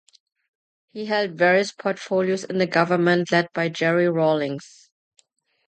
He held various portfolios in the government led by Jerry Rawlings.